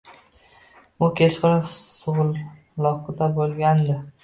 Bu kechqurun suvloqda bo`lgandi